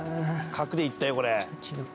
角でいったよ、これ。